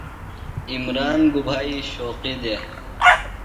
عمران گُبھائی شوقیُ دےۡ؟